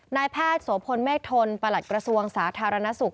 นายแพทย์โสพลเมฆทนประหลัดกระทรวงสาธารณสุข